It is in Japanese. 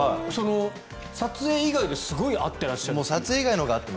撮影以外ですごい会っていらっしゃるって。